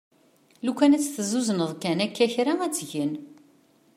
Lukan ad tt-tezzuzneḍ kan akka kra ad tgen.